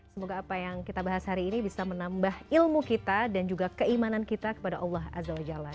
semoga apa yang kita bahas hari ini bisa menambah ilmu kita dan juga keimanan kita kepada allah azza wa jalla